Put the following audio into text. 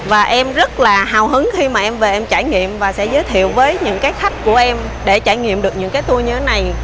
và em rất là hào hứng khi mà em về em trải nghiệm và sẽ giới thiệu với những cái khách của em để trải nghiệm được những cái tour như thế này